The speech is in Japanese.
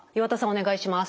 お願いします。